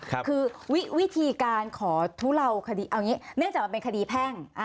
คือวิธีการขอทุเลาคดีเอาอย่างนี้เนื่องจากมันเป็นคดีแพ่ง